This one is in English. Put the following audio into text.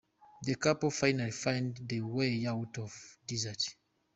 The couple finally find their way out of the desert.